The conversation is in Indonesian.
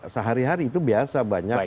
sehari hari itu biasa banyak